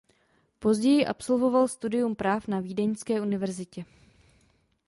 Později absolvoval studium práv na Vídeňské univerzitě.